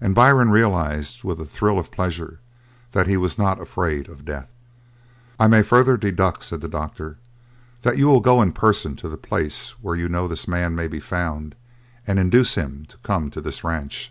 And Byrne realised with a thrill of pleasure that he was not afraid of death. "I may further deduct," said the doctor, "that you will go in person to the place where you know this man may be found and induce him to come to this ranch."